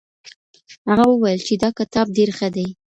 هغه وویل چي دا کتاب ډېر ښه دی.